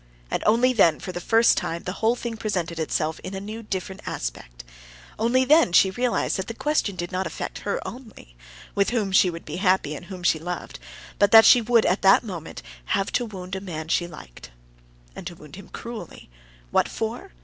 And only then for the first time the whole thing presented itself in a new, different aspect; only then she realized that the question did not affect her only—with whom she would be happy, and whom she loved—but that she would have that moment to wound a man whom she liked. And to wound him cruelly. What for?